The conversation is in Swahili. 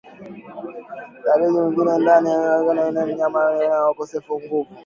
Dalili nyingine ya ndigana kali ni mnyama kukondeana na kukosa nguvu